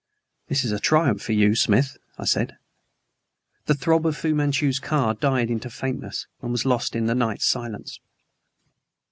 "This is a triumph for you, Smith," I said. The throb of Fu Manchu's car died into faintness and was lost in the night's silence.